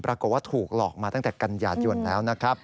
ปรากฏว่าถูกหลอกมาตั้งแต่กันยายนแล้วนะครับ